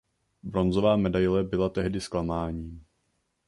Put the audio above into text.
Bronzová medaile byla tehdy zklamáním.